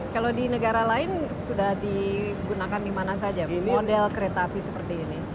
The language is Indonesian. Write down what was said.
kalau di negara lain sudah digunakan di mana saja model kereta api seperti ini